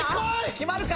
決まるか？